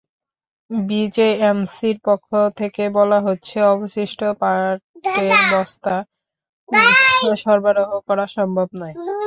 বিজেএমসির পক্ষ থেকে বলা হচ্ছে, অবশিষ্ট পাটের বস্তা সরবরাহ করা সম্ভব নয়।